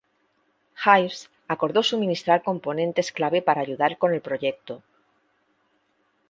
Hives acordó suministrar componentes clave para ayudar con el proyecto.